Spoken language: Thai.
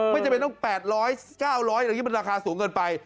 ไม่จำเป็นต้อง๘๐๐๙๐๐อย่างนี้มันราคาสูงเกินไป